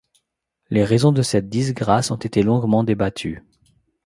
Les raisons de cette disgrâce ont été longuement débattues.